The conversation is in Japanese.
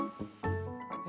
え？